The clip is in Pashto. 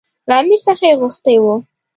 له امیر څخه یې غوښتي وو.